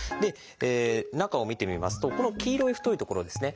中を見てみますとこの黄色い太い所ですね